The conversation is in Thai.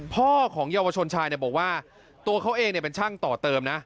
พ่อของเยาวชนชายบอกว่าตัวเขาเองเป็นช่างต่อเติมนะ